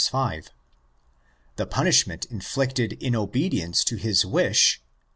The punishment inflicted in obedience to his wish (11.